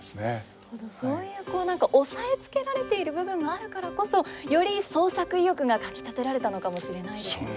本当にそういうこう何か抑えつけられている部分があるからこそより創作意欲がかきたてられたのかもしれないですね。